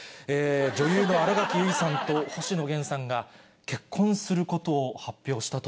女優の新垣結衣さんと星野源さんが結婚することを発表したと。